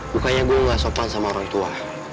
bukannya gue gak sopan sama orang tua